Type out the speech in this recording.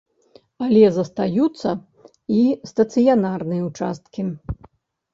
Але застаюцца і стацыянарныя ўчасткі.